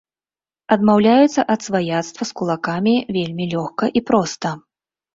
Адмаўляюцца ад сваяцтва з кулакамі вельмі лёгка і проста.